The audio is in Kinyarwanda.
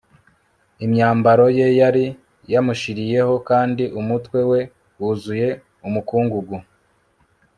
imyambaro ye yari yamushiriyeho kandi umutwe we wuzuye umukungugu